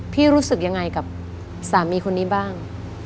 รู้สึกยังไงกับสามีคนนี้บ้าง